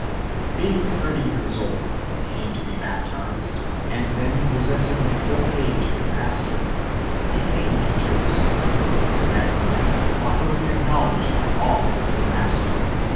Being thirty years old when He came to be baptized, and then possessing the full age of a Master,^ He came to / Jerusalem, so that He might be properly acknowledged ^ by all as a Master.